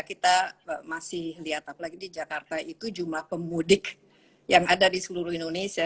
kita masih lihat apalagi di jakarta itu jumlah pemudik yang ada di seluruh indonesia